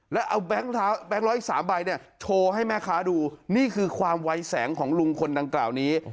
แล้วเอาแก๊งร้อยอีก๓ใบเนี่ยโชว์ให้แม่ค้าดูนี่คือความวัยแสงของลุงคนดังกล่าวนี้